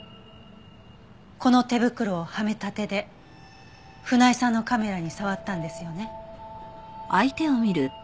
この手袋をはめた手で船井さんのカメラに触ったんですよね？